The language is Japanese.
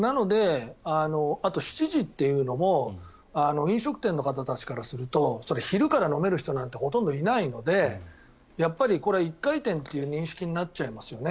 あと７時というのも飲食店の方たちからするとそれは昼から飲める人なんてほとんどいないのでやっぱりこれは１回転という認識になっちゃいますよね。